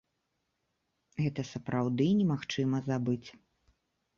Гэта сапраўды немагчыма забыць.